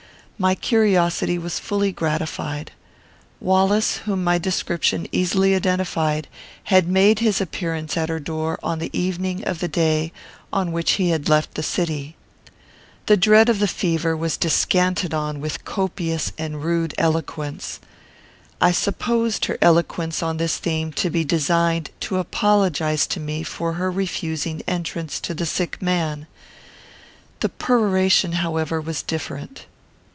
My curiosity was fully gratified. Wallace, whom my description easily identified, had made his appearance at her door on the evening of the day on which he left the city. The dread of the fever was descanted on with copious and rude eloquence. I supposed her eloquence on this theme to be designed to apologize to me for her refusing entrance to the sick man. The peroration, however, was different.